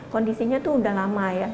kondisinya itu sudah lama ya